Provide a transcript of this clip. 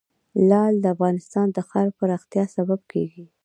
لعل د افغانستان د ښاري پراختیا سبب کېږي.